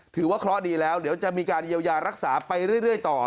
ถือว่าเคราะห์ดีแล้วเดี๋ยวจะมีการเยียวยารักษาไปเรื่อยต่อ